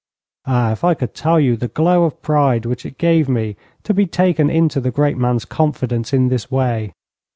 Ah, if I could tell you the glow of pride which it gave me to be taken into the great man's confidence in this way.